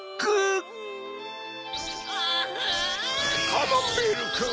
カマンベールくん！